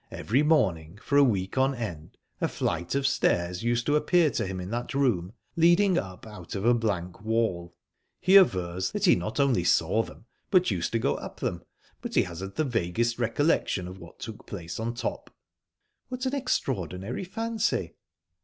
Every morning, for a week on end, a flight of stairs used to appear to him in that room, leading up out of a blank wall. He avers that he not only saw them, but used to go up them, but he hasn't the vaguest recollection of what took place on top." "What an extraordinary fancy!"